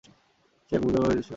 সে এক মূক বধির কাষ্ঠ খণ্ড।